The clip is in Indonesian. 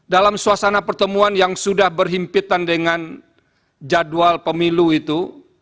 dalam suasana pertemuan yang sudah berhimpitan dengan jadwal pemilu itu